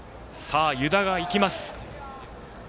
湯田がいきます。